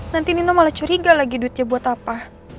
nanti nino malah curiga lagi duitnya buat apa